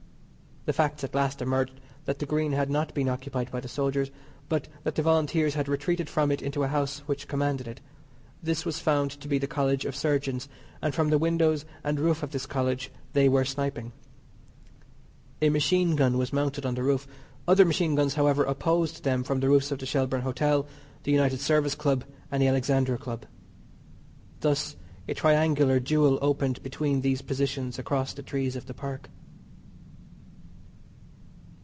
The facts at last emerged that the Green had not been occupied by the soldiers, but that the Volunteers had retreated from it into a house which commanded it. This was found to be the College of Surgeons, and from the windows and roof of this College they were sniping. A machine gun was mounted on the roof; other machine guns, however, opposed them from the roofs of the Shelbourne Hotel, the United Service Club, and the Alexandra Club. Thus a triangular duel opened between these positions across the trees of the Park.